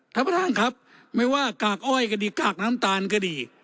ท่านประธานครับไม่ว่ากากอ้อยก็ดีกากน้ำตาลก็ดี